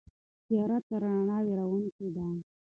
تیاره تر رڼا وېروونکې ده.